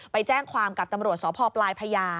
ไปแจ้งความกับตำรวจสพพ